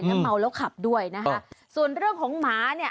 แล้วเมาแล้วขับด้วยนะคะส่วนเรื่องของหมาเนี่ย